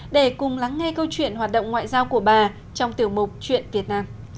để cùng lắng nghe câu chuyện hoạt động ngoại giao của bà trong tiểu mục chuyện việt nam